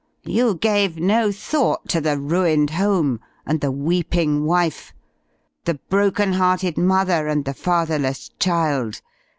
You gave no thought to the ruined home and the weeping wife, the broken hearted mother and the fatherless child.